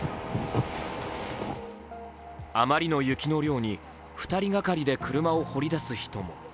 あまりの雪の量に２人がかりで車を掘り出す人も。